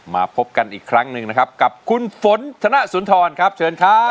มาพบกันอีกครั้งหนึ่งนะครับกับคุณฝนธนสุนทรครับเชิญครับ